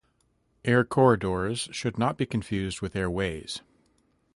Air corridors should not be confused with airways.